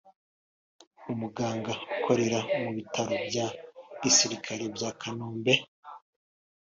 umuganga ukorera mu bitaro bya gisirikare bya Kanombe